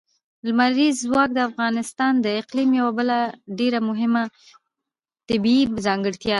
لمریز ځواک د افغانستان د اقلیم یوه بله ډېره مهمه طبیعي ځانګړتیا ده.